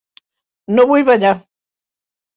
No vull ballar.